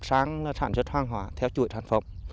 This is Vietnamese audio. sang sản xuất hoang hóa theo chuỗi sản phẩm